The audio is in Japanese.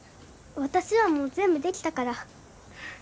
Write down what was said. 私はもう全部できたから。